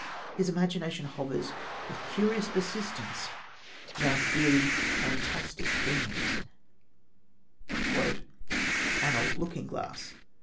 His imagination hovers with curious persistence round eerie, fantastic themes: "An old looking glass.